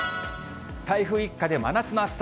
台風一過で真夏の暑さ。